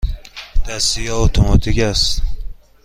دستی یا اتوماتیک است؟